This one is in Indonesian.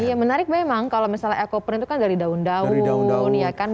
ya menarik memang kalau misalnya ekoprint itu kan dari daun daun